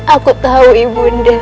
akan semua yang bisa canvas